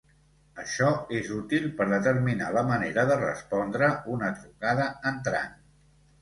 Això és útil per determinar la manera de respondre una trucada entrant.